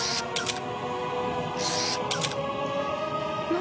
何？